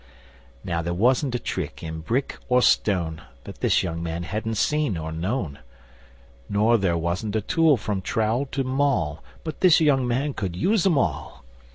Now there wasn't a trick in brick or stone That this young man hadn't seen or known; Nor there wasn't a tool from trowel to maul But this young man could use 'em all!